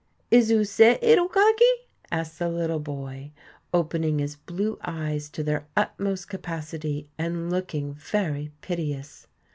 "Is oo sit, 'ittle goggie?" asked the little boy, opening his blue eyes to their utmost capacity and looking very piteous.